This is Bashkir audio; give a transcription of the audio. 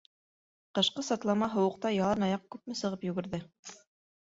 Ҡышҡы сатлама һыуыҡта ялан аяҡ күпме сығып йүгерҙе?